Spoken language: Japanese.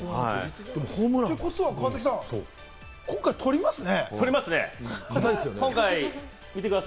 ということは川崎さん、今回、取りますね。